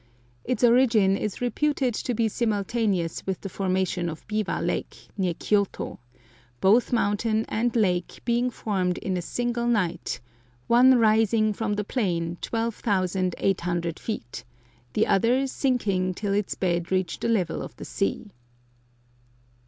Its origin is reputed to be simultaneous with the formation of Biwa Lake, near Kioto, both mountain and lake being formed in a single night one rising from the plain twelve thousand eight hundred feet, the other sinking till its bed reached the level of the sea.